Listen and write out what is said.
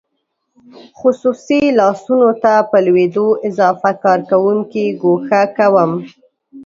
خصوصي لاسونو ته په لوېدو اضافه کارکوونکي ګوښه کیږي.